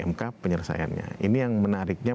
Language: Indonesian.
mk penyelesaiannya ini yang menariknya